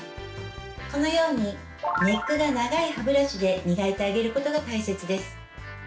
このようにネックが長い歯ブラシで磨いてあげることが大切です。